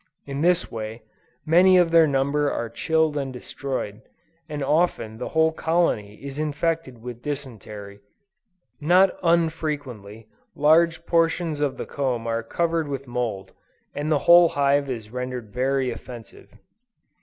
In this way, many of their number are chilled and destroyed, and often the whole colony is infected with dysentery. Not unfrequently, large portions of the comb are covered with mould, and the whole hive is rendered very offensive.